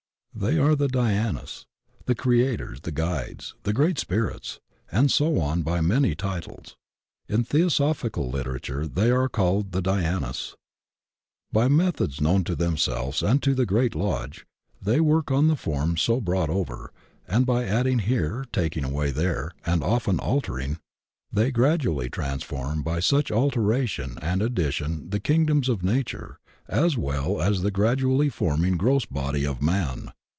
They are the DhyarUs, the Creators, the Guides, the Great Spirits, and so on by many titles. In theosophical literature they are called the Dhyanis, By methods known to themselves and to the Great Lodge they work on the forms so brought over, and by adding here, taking away there, and often altering. 132 THE OCEAN OF THEOSOPHY they gradually transform by such alteration and addi tion die kingdoms of nature as well as the gradually forming gross body of man.